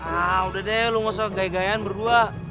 ah udah deh lu gak usah gaian gaian berdua